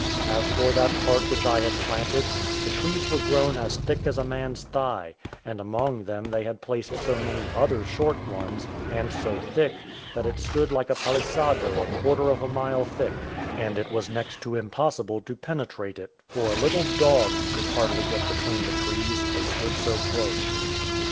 As for that part which I had planted, the trees were grown as thick as a man's thigh, and among them they had placed so many other short ones, and so thick, that it stood like a palisado a quarter of a mile thick, and it was next to impossible to penetrate it, for a little dog could hardly get between the trees, they stood so close.